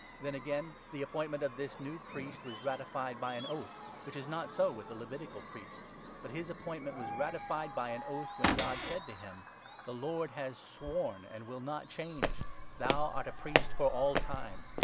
Then again, the appointment of this new priest 20 was ratified by an oath, which is not so with the Levitical priests, but his appointment was ratified by an oath, when God 21 said to him — 'The Lord has sworn, and will not change, "Thou art a priest for all time."